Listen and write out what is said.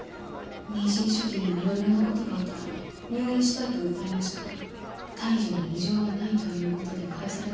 妊娠初期にも色々なことがあったため入院したいと訴えましたが胎児に異常はないということで帰されました。